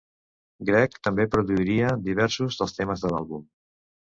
Gregg també produiria diversos dels temes de l'àlbum.